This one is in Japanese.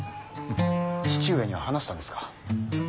父上には話したんですか？